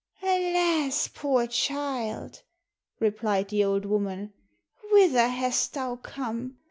"Alas, poor child," replied the old woman, "whither hast thou come?